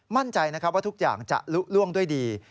มั่นใจนะครับว่าทุกอย่างจะลุล่วงด้วยดี